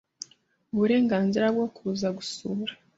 uburenganzi bwo kuza gusura,